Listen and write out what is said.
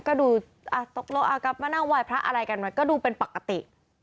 ก็ดูตกลงมานั่งไหว้พระอะไรกันมันก็ดูเป็นปกติ